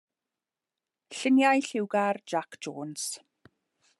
Lluniau lliwgar gan Jac Jones.